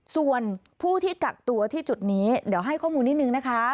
ส่วนผู้ที่กักตัวที่จุดนี้เดี๋ยวให้ข้อมูลนิดนึงนะคะ